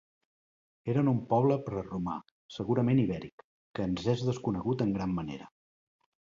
Eren un poble preromà, segurament ibèric, que ens és desconegut en gran manera.